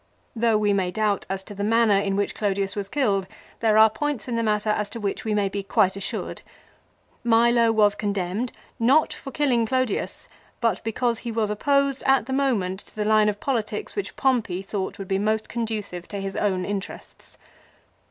Though we may doubt as to the manner in which Clodius was killed there are points in the matter as to which we may be quite assured. Milo was condemned, not for killing Clodius, but because he was opposed at the moment to the line of politics which Pompey thought would be most conducive to his own interests.